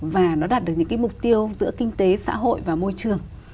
và nó đạt được những cái mục tiêu giữa kinh tế xã hội và môi trường